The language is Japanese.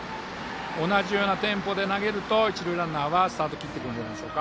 同じようなテンポで投げると一塁ランナーはスタートを切ってくるんじゃないですか。